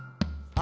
「あ！